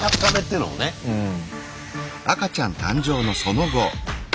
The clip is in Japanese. うん。